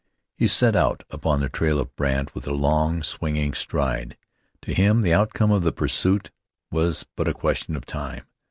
He set out upon the trail of Brandt with a long, swinging stride. To him the outcome of that pursuit was but a question of time.